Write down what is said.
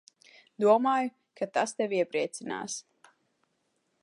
Domāju, ka tas tevi iepriecinās.